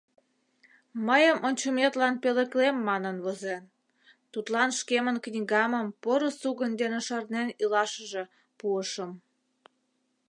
Мыйым ончыметлан пӧлеклем манын возен, тудлан шкемын книгамым поро сугынь дене шарнен илашыже пуышым.